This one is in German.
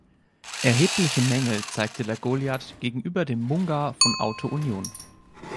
Erhebliche Mängel zeigte der Goliath gegenüber dem Munga von Auto Union.